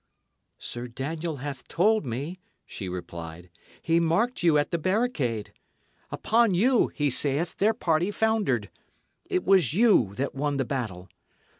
"Sir Daniel hath told me," she replied. "He marked you at the barricade. Upon you, he saith, their party foundered; it was you that won the battle.